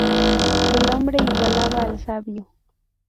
El hombre igualaba al sabio.